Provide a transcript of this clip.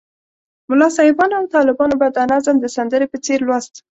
ملا صاحبانو او طالبانو به دا نظم د سندرې په څېر لوست.